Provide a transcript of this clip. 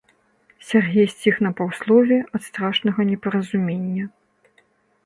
Сяргей сціх на паўслове ад страшнага непаразумення.